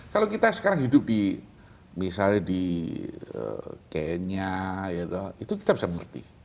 kalau kita sekarang hidup di misalnya di kenya itu kita bisa mengerti